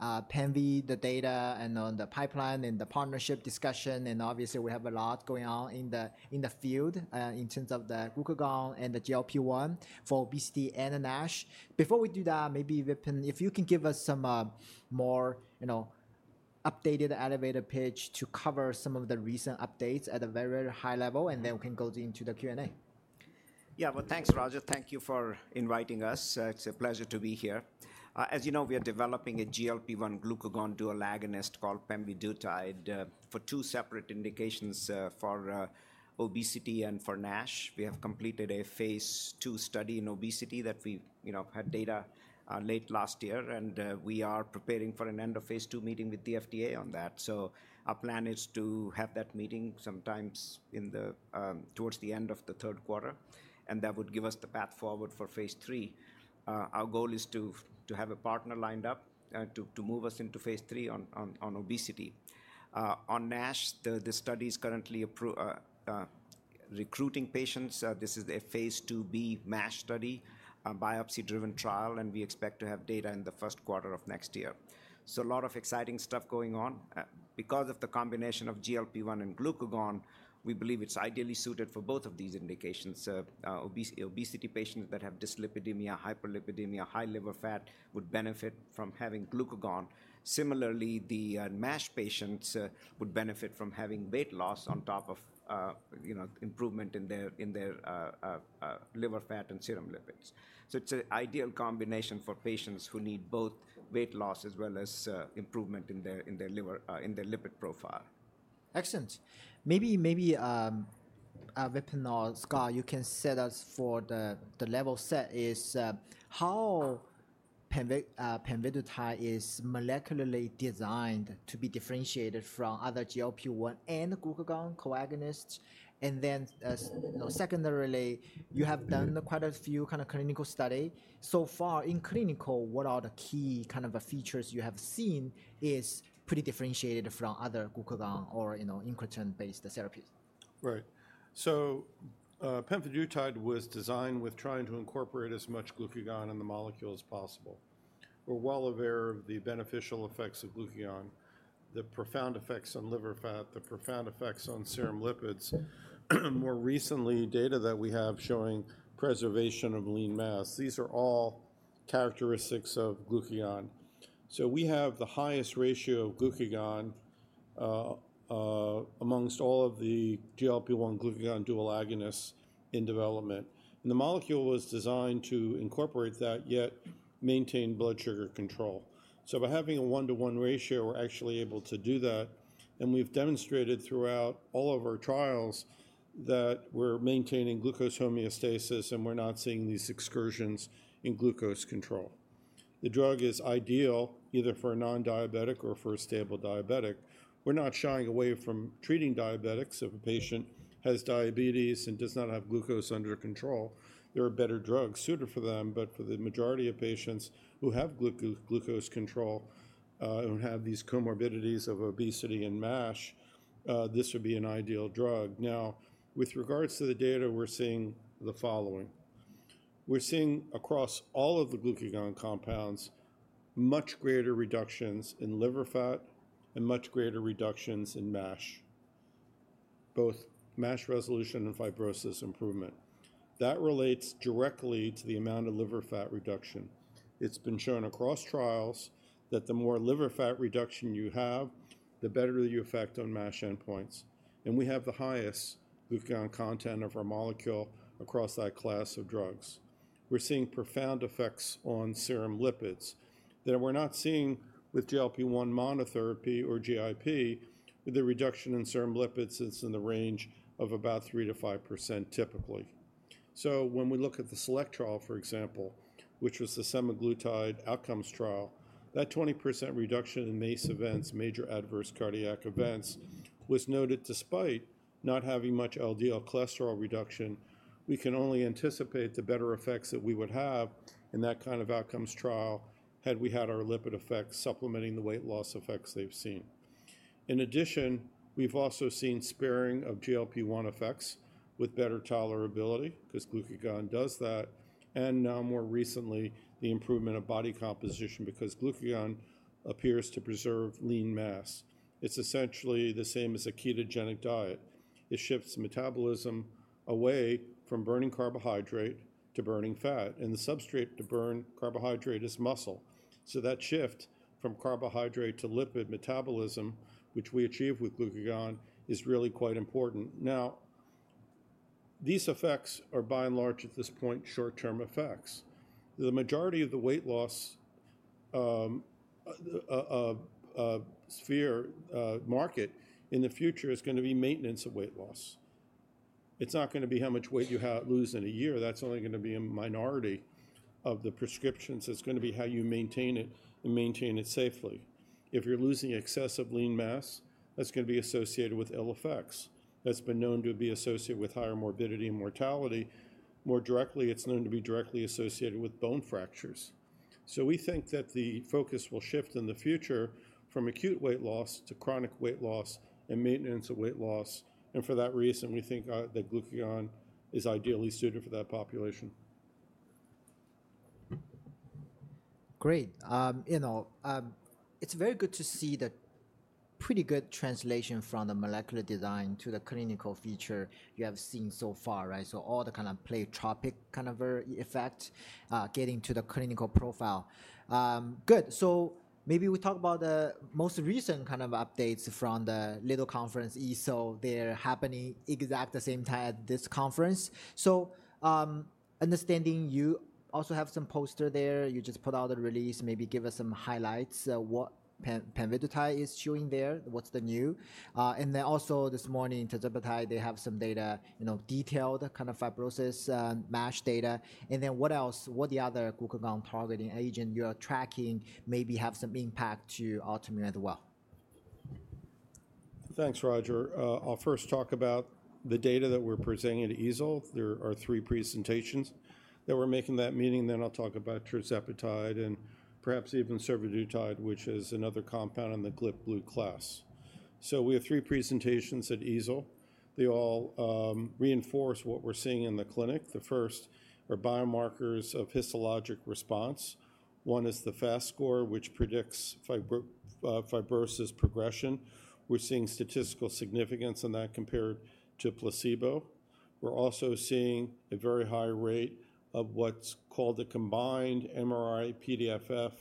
But, Pemvi, the data, and the pipeline, and the partnership discussion, and obviously we have a lot going on in the field, in terms of the glucagon and the GLP-1 for obesity and NASH. Before we do that, maybe Vipin, if you can give us some more, you know, updated elevator pitch to cover some of the recent updates at a very high level, and then we can go into the Q&A. Yeah. Well, thanks, Roger. Thank you for inviting us. It's a pleasure to be here. As you know, we are developing a GLP-1 glucagon dual agonist called pemvidutide for two separate indications for obesity and for NASH. We have completed a phase II study in obesity that we, you know, had data late last year, and we are preparing for an end of phase II meeting with the FDA on that. So our plan is to have that meeting sometimes in the towards the end of the third quarter, and that would give us the path forward for phase III. Our goal is to have a partner lined up to move us into phase III on obesity. On NASH, the study is currently recruiting patients. This is a phase II-B MASH study, a biopsy-driven trial, and we expect to have data in the first quarter of next year. So a lot of exciting stuff going on. Because of the combination of GLP-1 and glucagon, we believe it's ideally suited for both of these indications. Obesity patients that have dyslipidemia, hyperlipidemia, high liver fat, would benefit from having glucagon. Similarly, the MASH patients would benefit from having weight loss on top of, you know, improvement in their liver fat and serum lipids. So it's an ideal combination for patients who need both weight loss as well as improvement in their liver, in their lipid profile. Excellent. Maybe Vipin or Scott, you can set us for the level set is how pemvi, pemvidutide is molecularly designed to be differentiated from other GLP-1 and glucagon co-agonists? And then, as secondarily, you have done quite a few kind of clinical study. So far in clinical, what are the key kind of features you have seen is pretty differentiated from other glucagon or, you know, incretin-based therapies? Right. So, pemvidutide was designed with trying to incorporate as much glucagon in the molecule as possible. We're well aware of the beneficial effects of glucagon, the profound effects on liver fat, the profound effects on serum lipids, more recently, data that we have showing preservation of lean mass. These are all characteristics of glucagon. So we have the highest ratio of glucagon amongst all of the GLP-1 glucagon dual agonists in development. And the molecule was designed to incorporate that, yet maintain blood sugar control. So by having a one-to-one ratio, we're actually able to do that, and we've demonstrated throughout all of our trials that we're maintaining glucose homeostasis, and we're not seeing these excursions in glucose control. The drug is ideal either for a non-diabetic or for a stable diabetic. We're not shying away from treating diabetics. If a patient has diabetes and does not have glucose under control, there are better drugs suited for them, but for the majority of patients who have glucose control, and have these comorbidities of obesity and MASH, this would be an ideal drug. Now, with regards to the data, we're seeing the following: We're seeing across all of the glucagon compounds, much greater reductions in liver fat and much greater reductions in MASH, both MASH resolution and fibrosis improvement. That relates directly to the amount of liver fat reduction. It's been shown across trials that the more liver fat reduction you have, the better the effect on MASH endpoints, and we have the highest glucagon content of our molecule across that class of drugs. We're seeing profound effects on serum lipids that we're not seeing with GLP-1 monotherapy or GIP. The reduction in serum lipids is in the range of about 3%-5%, typically. So when we look at the SELECT trial, for example, which was the semaglutide outcomes trial, that 20% reduction in MACE events, major adverse cardiac events, was noted despite not having much LDL cholesterol reduction. We can only anticipate the better effects that we would have in that kind of outcomes trial had we had our lipid effects supplementing the weight loss effects they've seen. In addition, we've also seen sparing of GLP-1 effects with better tolerability, 'cause glucagon does that, and now more recently, the improvement of body composition because glucagon appears to preserve lean mass. It's essentially the same as a ketogenic diet. It shifts metabolism away from burning carbohydrate to burning fat, and the substrate to burn carbohydrate is muscle. So that shift from carbohydrate to lipid metabolism, which we achieve with glucagon, is really quite important. Now, these effects are by and large, at this point, short-term effects. The majority of the weight loss market in the future is gonna be maintenance of weight loss. It's not gonna be how much weight you lose in a year. That's only gonna be a minority of the prescriptions. It's gonna be how you maintain it and maintain it safely. If you're losing excessive lean mass, that's gonna be associated with ill effects. That's been known to be associated with higher morbidity and mortality. More directly, it's known to be directly associated with bone fractures. So we think that the focus will shift in the future from acute weight loss to chronic weight loss and maintenance of weight loss, and for that reason, we think, that glucagon is ideally suited for that population. Great. You know, it's very good to see the pretty good translation from the molecular design to the clinical feature you have seen so far, right? So all the kind of pleiotropic kind of various effect getting to the clinical profile. Good. So maybe we talk about the most recent kind of updates from the latest conference EASL. They're happening exactly the same time as this conference. So, understanding you also have some poster there, you just put out a release. Maybe give us some highlights, what pemvidutide is showing there, what's new? And then also this morning, tirzepatide, they have some data, you know, detailed kind of fibrosis, NASH data. And then what else, what the other glucagon-targeting agent you are tracking maybe have some impact to Altimmune as well? Thanks, Roger. I'll first talk about the data that we're presenting at EASL. There are three presentations that we're making that meeting, then I'll talk about tirzepatide and perhaps even survodutide, which is another compound in the GLP dual class. So we have three presentations at EASL. They all reinforce what we're seeing in the clinic. The first are biomarkers of histologic response. One is the FAST score, which predicts fibrosis progression. We're seeing statistical significance in that compared to placebo. We're also seeing a very high rate of what's called the combined MRI-PDFF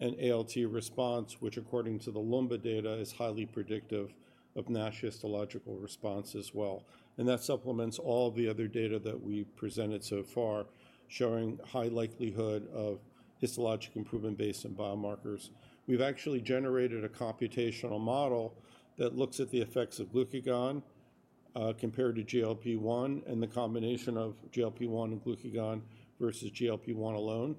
and ALT response, which according to the Loomba data, is highly predictive of NASH histological response as well. And that supplements all the other data that we've presented so far, showing high likelihood of histologic improvement based on biomarkers. We've actually generated a computational model that looks at the effects of glucagon compared to GLP-1, and the combination of GLP-1 and glucagon versus GLP-1 alone.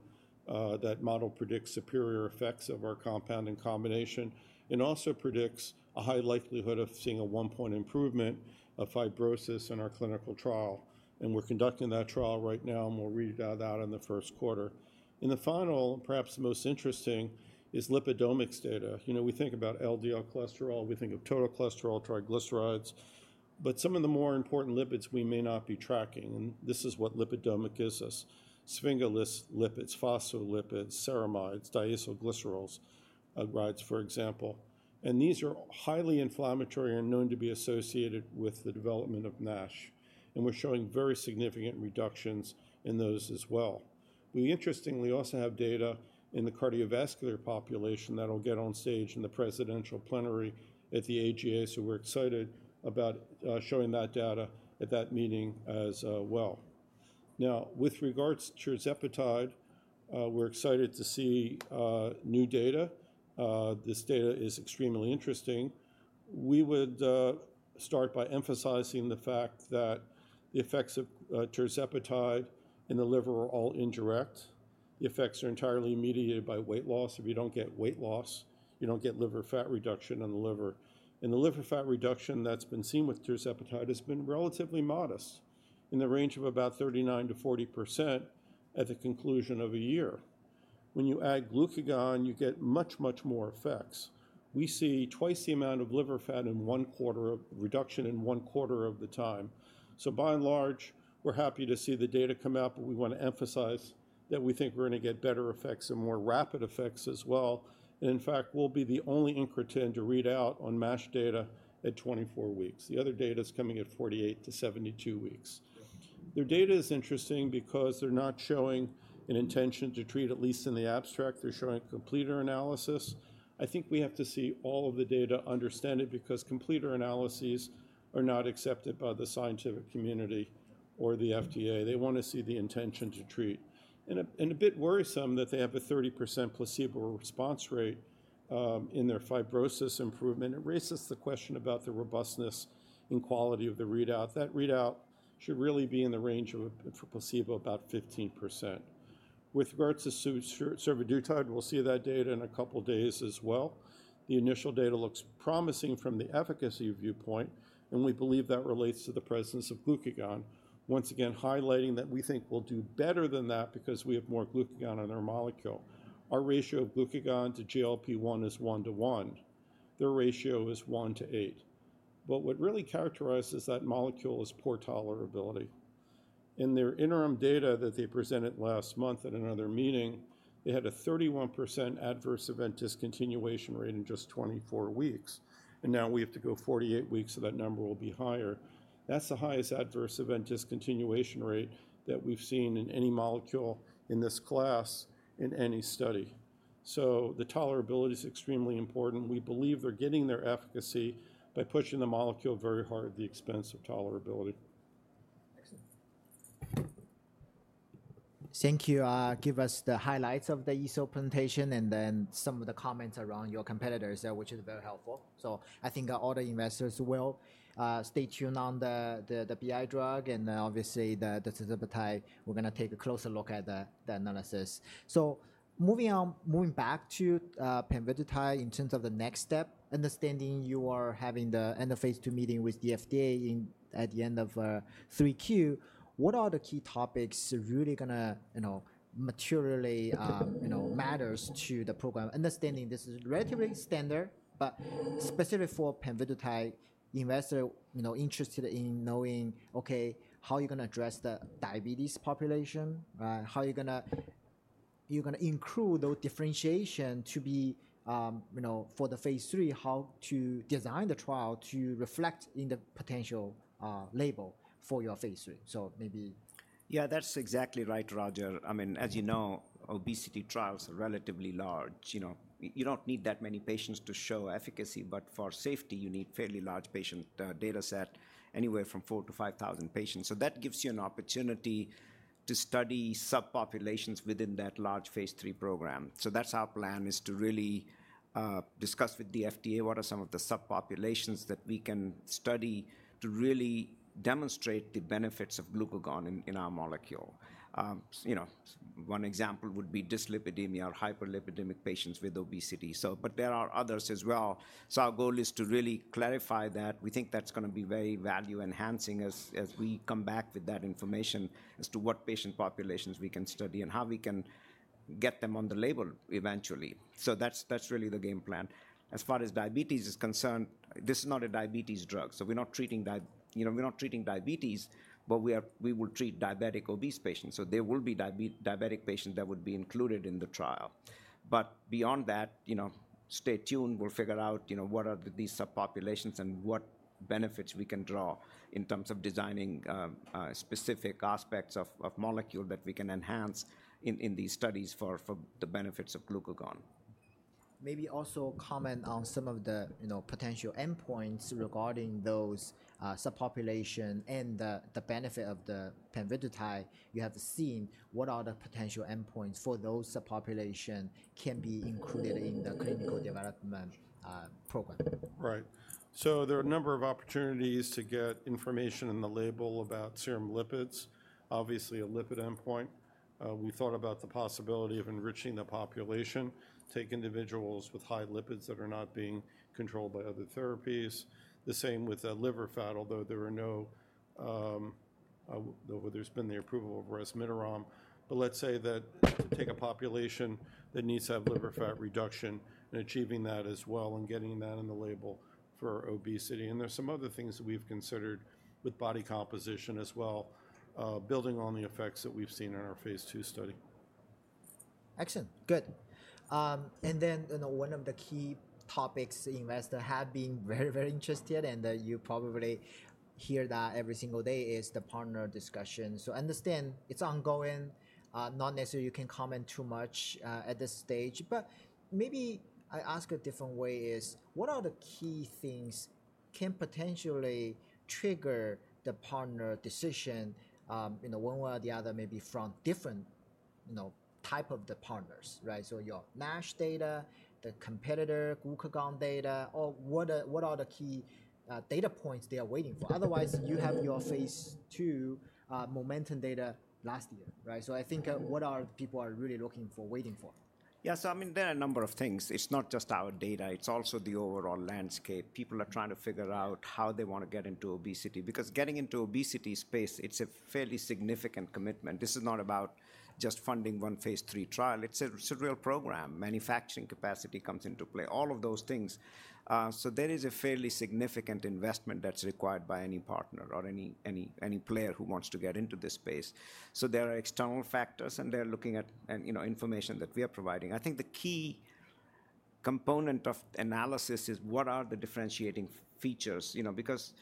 That model predicts superior effects of our compound and combination and also predicts a high likelihood of seeing a 1-point improvement of fibrosis in our clinical trial, and we're conducting that trial right now, and we'll read that out in the first quarter. And the final, perhaps most interesting, is lipidomics data. You know, we think about LDL cholesterol, we think of total cholesterol, triglycerides, but some of the more important lipids we may not be tracking, and this is what lipidomics gives us. Sphingolipids, phospholipids, ceramides, diacylglycerols, triglycerides, for example. And these are highly inflammatory and known to be associated with the development of NASH, and we're showing very significant reductions in those as well. We interestingly also have data in the cardiovascular population that'll get on stage in the presidential plenary at the AGA, so we're excited about showing that data at that meeting as well. Now, with regards to tirzepatide, we're excited to see new data. This data is extremely interesting. We would start by emphasizing the fact that the effects of tirzepatide in the liver are all indirect. The effects are entirely mediated by weight loss. If you don't get weight loss, you don't get liver fat reduction in the liver. And the liver fat reduction that's been seen with tirzepatide has been relatively modest, in the range of about 39%-40% at the conclusion of a year. When you add glucagon, you get much, much more effects. We see twice the amount of liver fat reduction in one quarter of the time. So by and large, we're happy to see the data come out, but we want to emphasize that we think we're gonna get better effects and more rapid effects as well. And in fact, we'll be the only incretin to read out on MASH data at 24 weeks. The other data is coming at 48-72 weeks. Their data is interesting because they're not showing an intention to treat, at least in the abstract. They're showing completer analysis. I think we have to see all of the data, understand it, because completer analyses are not accepted by the scientific community or the FDA. They want to see the intention to treat. A bit worrisome that they have a 30% placebo response rate in their fibrosis improvement. It raises the question about the robustness and quality of the readout. That readout should really be in the range of, for placebo, about 15%. With regards to survodutide, we'll see that data in a couple of days as well. The initial data looks promising from the efficacy viewpoint, and we believe that relates to the presence of glucagon. Once again, highlighting that we think we'll do better than that because we have more glucagon on our molecule. Our ratio of glucagon to GLP-1 is 1-to-1. Their ratio is 1-to-8. But what really characterizes that molecule is poor tolerability. In their interim data that they presented last month at another meeting, they had a 31% adverse event discontinuation rate in just 24 weeks, and now we have to go 48 weeks, so that number will be higher. That's the highest adverse event discontinuation rate that we've seen in any molecule in this class, in any study. So the tolerability is extremely important. We believe they're getting their efficacy by pushing the molecule very hard at the expense of tolerability. Excellent. Thank you, give us the highlights of the EASL presentation and then some of the comments around your competitors, which is very helpful. So I think our other investors will stay tuned on the BI drug and obviously the tirzepatide. We're gonna take a closer look at the analysis. So moving on. Moving back to pemvidutide in terms of the next step, understanding you are having the end of phase II meeting with the FDA in at the end of Q3. What are the key topics really gonna you know materially you know matters to the program? Understanding this is relatively standard, but specifically for pemvidutide, investor you know interested in knowing, okay, how you gonna address the diabetes population? How you gonna you're gonna include those differentiation to be, you know, for the phase III, how to design the trial to reflect in the potential label for your phase III? So maybe. Yeah, that's exactly right, Roger. I mean, as you know, obesity trials are relatively large. You know, you don't need that many patients to show efficacy, but for safety, you need fairly large patient data set, anywhere from 4,000-5,000 patients. So that gives you an opportunity to study subpopulations within that large phase III program. So that's our plan, is to really discuss with the FDA what are some of the subpopulations that we can study to really demonstrate the benefits of glucagon in our molecule. You know, one example would be dyslipidemia or hyperlipidemic patients with obesity. So but there are others as well. So our goal is to really clarify that. We think that's gonna be very value enhancing as we come back with that information as to what patient populations we can study and how we can get them on the label eventually. So that's really the game plan. As far as diabetes is concerned, this is not a diabetes drug, so we're not treating you know, we're not treating diabetes, but we will treat diabetic obese patients, so there will be diabetic patients that would be included in the trial. But beyond that, you know, stay tuned. We'll figure out, you know, what are these subpopulations and what benefits we can draw in terms of designing specific aspects of molecule that we can enhance in these studies for the benefits of glucagon. Maybe also comment on some of the, you know, potential endpoints regarding those subpopulation and the, the benefit of the pemvidutide you have seen. What are the potential endpoints for those subpopulation can be included in the clinical development program? Right. So there are a number of opportunities to get information in the label about serum lipids. Obviously, a lipid endpoint. We thought about the possibility of enriching the population, take individuals with high lipids that are not being controlled by other therapies. The same with liver fat, although there are no well, there's been the approval of resmetirom. But let's say that to take a population that needs to have liver fat reduction and achieving that as well and getting that on the label for obesity. And there are some other things that we've considered with body composition as well, building on the effects that we've seen in our phase II study. Excellent. Good. And then, you know, one of the key topics investors have been very, very interested, and, you probably hear that every single day, is the partner discussion. So I understand it's ongoing, not necessarily you can comment too much, at this stage, but maybe I ask a different way, is what are the key things can potentially trigger the partner decision, you know, one way or the other, maybe from different, you know, type of the partners, right? So your NASH data, the competitor, glucagon data, or what are the key data points they are waiting for? Otherwise, you have your phase II momentum data last year, right? So I think, what are people are really looking for, waiting for? Yeah, so I mean, there are a number of things. It's not just our data; it's also the overall landscape. People are trying to figure out how they want to get into obesity because getting into obesity space, it's a fairly significant commitment. This is not about just funding one phase III trial. It's a real program. Manufacturing capacity comes into play, all of those things. So there is a fairly significant investment that's required by any partner or any player who wants to get into this space. So there are external factors, and they're looking at, you know, information that we are providing. I think the key component of analysis is what are the differentiating features, you know, because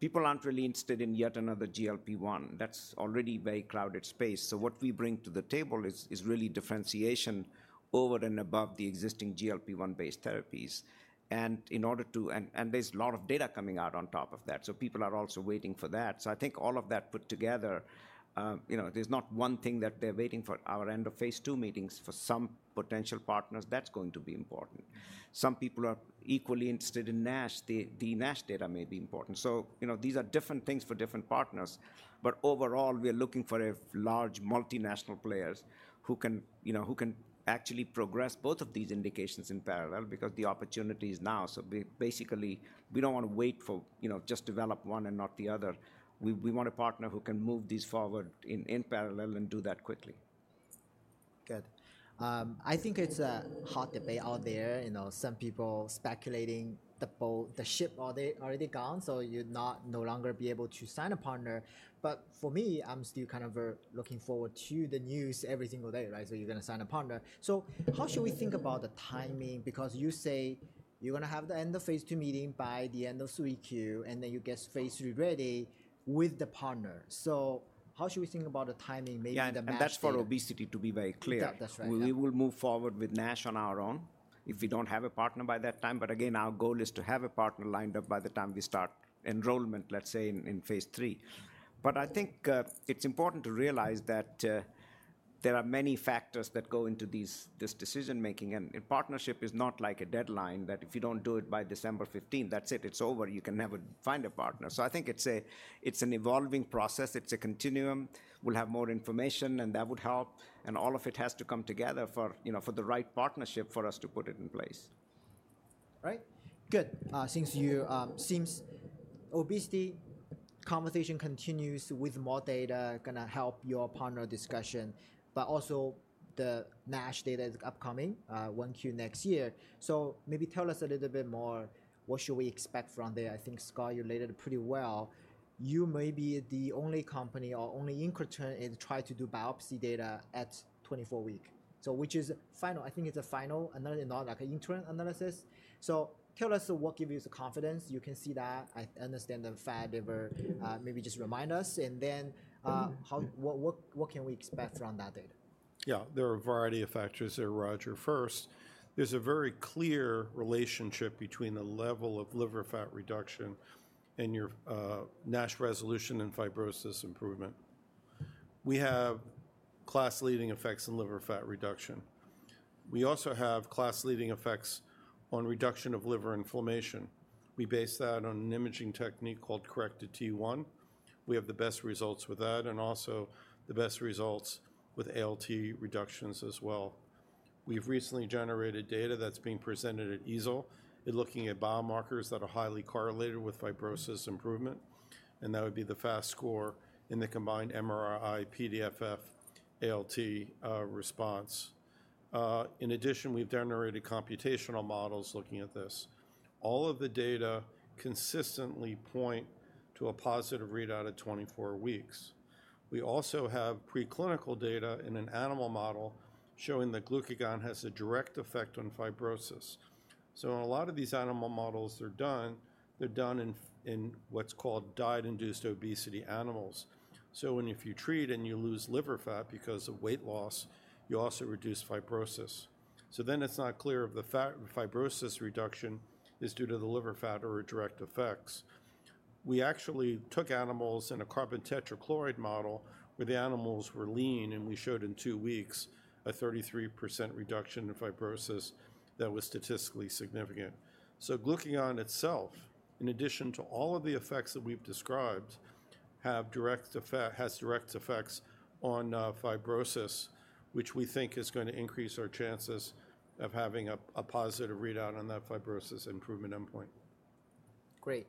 people aren't really interested in yet another GLP-1. That's already very crowded space. So what we bring to the table is really differentiation over and above the existing GLP-1-based therapies. And there's a lot of data coming out on top of that, so people are also waiting for that. So I think all of that put together, you know, there's not one thing that they're waiting for. Our end of phase II meetings, for some potential partners, that's going to be important. Some people are equally interested in NASH. The NASH data may be important. So, you know, these are different things for different partners, but overall, we are looking for large multinational players who can, you know, who can actually progress both of these indications in parallel because the opportunity is now. So basically, we don't want to wait for, you know, just develop one and not the other. We want a partner who can move this forward in parallel and do that quickly. Good. I think it's a hot debate out there. You know, some people speculating the boat, the ship are they already gone, so you'd not no longer be able to sign a partner. But for me, I'm still kind of looking forward to the news every single day, right? So you're gonna sign a partner. So how should we think about the timing? Because you say you're gonna have the end of phase II meeting by the end of 3Q, and then you get phase III ready with the partner. So how should we think about the timing, maybe the match. Yeah, and that's for obesity, to be very clear. Yeah. That's right. Yeah. We will move forward with NASH on our own if we don't have a partner by that time. But again, our goal is to have a partner lined up by the time we start enrollment, let's say, in phase III. But I think it's important to realize that there are many factors that go into these, this decision-making, and a partnership is not like a deadline that if you don't do it by December 15th, that's it, it's over. You can never find a partner. So I think it's a, it's an evolving process. It's a continuum. We'll have more information, and that would help, and all of it has to come together for, you know, for the right partnership for us to put it in place. Right. Good. Since you, obesity conversation continues with more data gonna help your partner discussion, but also the NASH data is upcoming, 1Q next year. So maybe tell us a little bit more, what should we expect from there? I think, Scott, you laid it pretty well. You may be the only company or only incretin in try to do biopsy data at 24-week. So which is final, I think it's a final analysis, not like an interim analysis. So tell us what gives you the confidence you can see that. I understand the liver fat, maybe just remind us and then, how, what, what, what can we expect from that data? Yeah, there are a variety of factors there, Roger. First, there's a very clear relationship between the level of liver fat reduction and your NASH resolution and fibrosis improvement. We have class-leading effects in liver fat reduction. We also have class-leading effects on reduction of liver inflammation. We base that on an imaging technique called corrected T1. We have the best results with that and also the best results with ALT reductions as well. We've recently generated data that's being presented at EASL in looking at biomarkers that are highly correlated with fibrosis improvement, and that would be the FAST score in the combined MRI, PDFF, ALT, response. In addition, we've generated computational models looking at this. All of the data consistently point to a positive readout at 24 weeks. We also have preclinical data in an animal model showing that glucagon has a direct effect on fibrosis. So in a lot of these animal models, they're done in what's called diet-induced obesity animals. So when you treat and you lose liver fat because of weight loss, you also reduce fibrosis. So then it's not clear if the fat fibrosis reduction is due to the liver fat or direct effects. We actually took animals in a carbon tetrachloride model, where the animals were lean, and we showed in two weeks a 33% reduction in fibrosis that was statistically significant. So glucagon itself, in addition to all of the effects that we've described, has direct effects on fibrosis, which we think is gonna increase our chances of having a positive readout on that fibrosis improvement endpoint. Great.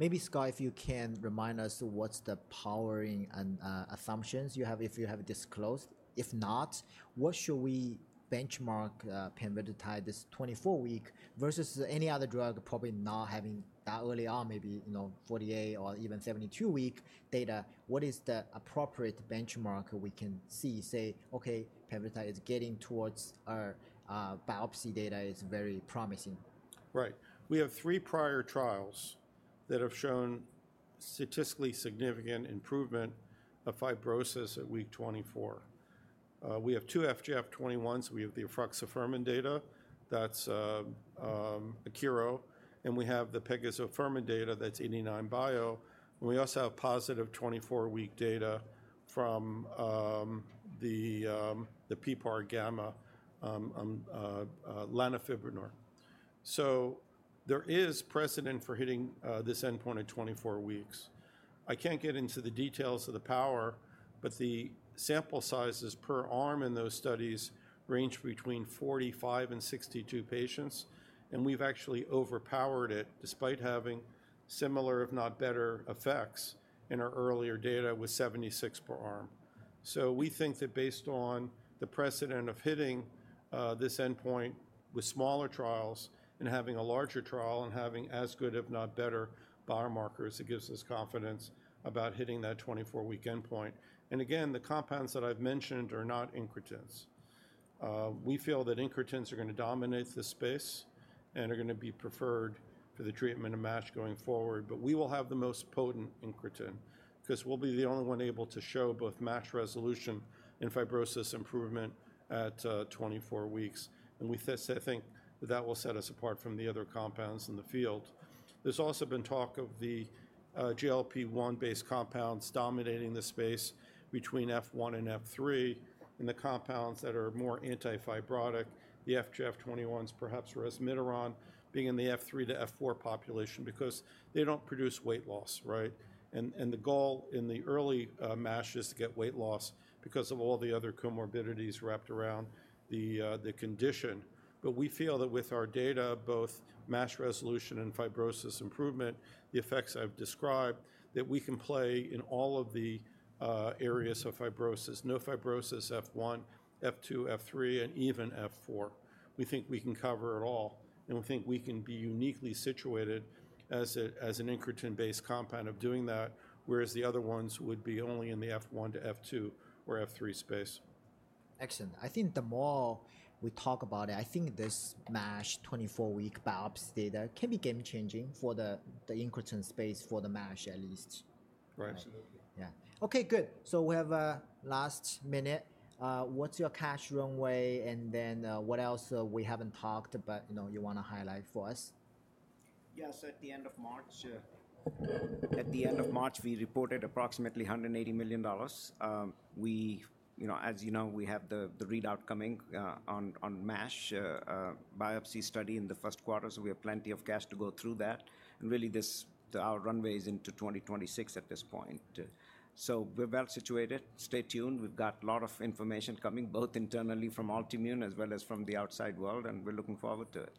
Maybe, Scott, if you can remind us what's the powering and assumptions you have, if you have disclosed. If not, what should we benchmark, pemvidutide, this 24-week versus any other drug probably not having that early on, maybe, you know, 48- or even 72-week data. What is the appropriate benchmark we can see, say, "Okay, pemvidutide is getting towards our biopsy data is very promising? Right. We have three prior trials that have shown statistically significant improvement of fibrosis at week 24. We have two FGF21s. We have the efruxifermin data, that's Akero, and we have the pegozafermin data, that's 89bio. We also have positive 24-week data from the PPAR-gamma lanifibranor. So there is precedent for hitting this endpoint at 24 weeks. I can't get into the details of the power, but the sample sizes per arm in those studies range between 45 and 62 patients, and we've actually overpowered it, despite having similar, if not better, effects in our earlier data with 76 per arm. So we think that based on the precedent of hitting this endpoint with smaller trials and having a larger trial and having as good, if not better, biomarkers, it gives us confidence about hitting that 24-week endpoint. And again, the compounds that I've mentioned are not incretins. We feel that incretins are gonna dominate this space and are gonna be preferred for the treatment of MASH going forward. But we will have the most potent incretin 'cause we'll be the only one able to show both MASH resolution and fibrosis improvement at 24 weeks. And we think that will set us apart from the other compounds in the field. There's also been talk of the GLP-1 based compounds dominating the space between F1 and F3, and the compounds that are more anti-fibrotic, the FGF21s, perhaps resmetirom, being in the F3 to F4 population because they don't produce weight loss, right? And the goal in the early MASH is to get weight loss because of all the other comorbidities wrapped around the condition. But we feel that with our data, both MASH resolution and fibrosis improvement, the effects I've described, that we can play in all of the areas of fibrosis, no fibrosis F1, F2, F3, and even F4. We think we can cover it all, and we think we can be uniquely situated as an incretin-based compound of doing that, whereas the other ones would be only in the F1 to F2 or F3 space. Excellent. I think the more we talk about it, I think this MASH 24-week biopsy data can be game changing for the incretin space, for the MASH at least. Right. Absolutely. Yeah. Okay, good. So we have a last minute. What's your cash runway, and then, what else, we haven't talked, but, you know, you wanna highlight for us? Yeah. So at the end of March, at the end of March, we reported approximately $180 million. We, you know, as you know, we have the, the readout coming, on, on MASH, biopsy study in the first quarter, so we have plenty of cash to go through that. And really, this, our runway is into 2026 at this point. So we're well situated. Stay tuned. We've got a lot of information coming, both internally from Altimmune as well as from the outside world, and we're looking forward to it.